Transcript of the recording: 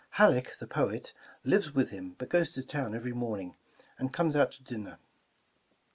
Halleck, the poet, lives with him, but goes to town every morning, and comes out to dinner.